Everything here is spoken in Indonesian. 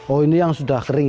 oh ini yang sudah kering